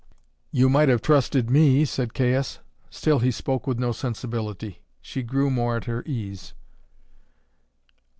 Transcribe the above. "You might have trusted me," said Caius. Still he spoke with no sensibility; she grew more at her ease.